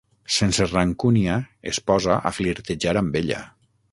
Sense rancúnia, es posa a flirtejar amb ella.